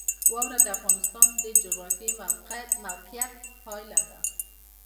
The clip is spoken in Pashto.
واوره د افغانستان د جغرافیایي موقیعت پایله ده.